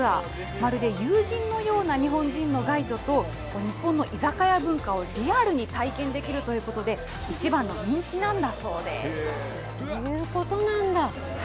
まるで友人のような日本人のガイドと、日本の居酒屋文化をリアルに体験できるということで、そういうことなんだ。